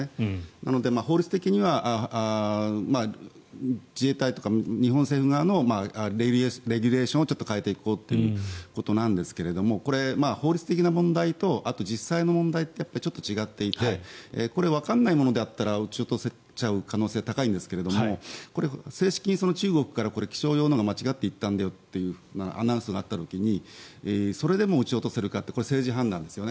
なので法律的には自衛隊とか日本政府側のレギュレーションをちょっと変えていこうということなんですがこれ、法律的な問題と実際の問題ってちょっと違っていてこれ、わからないものであったら撃ち落とせちゃう可能性は高いんですけれどもこれ、正式に中国から気象用のが間違えて行っちゃったんだよというアナウンスがあった時にそれでも撃ち落とせるかってこれは政治判断ですよね。